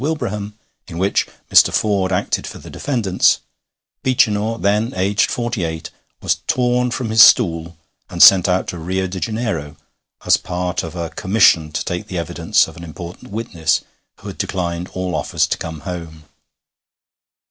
_ Wilbraham, in which Mr. Ford acted for the defendants, Beechinor, then aged forty eight, was torn from his stool and sent out to Rio de Janeiro as part of a commission to take the evidence of an important witness who had declined all offers to come home.